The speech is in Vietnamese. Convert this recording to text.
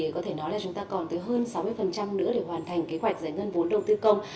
có thể nói là chúng ta còn tới hơn sáu mươi nữa để hoàn thành kế hoạch giải ngân vốn đầu tư công